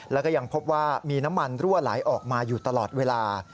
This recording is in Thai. แล้วก็ยังพบว่ามีน้ำมันรั่วไหลออกมาอยู่ตลอดเวลา